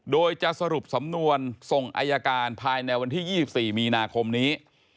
โดยจะสรุปสำนวนส่งอายการภายในวันที่๒๔มีนาคมนี้